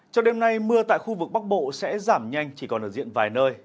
trong đêm nay mưa tại khu vực bắc bộ sẽ giảm nhanh chỉ còn ở diện vài nơi